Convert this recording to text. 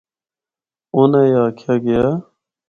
اُناں اے آکھیا گیا۔